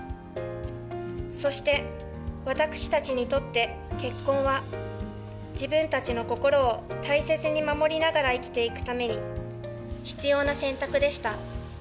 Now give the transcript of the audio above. そして、私たちにとって結婚は、自分たちの心を大切に守りながら生きていくために、必要な選択でした。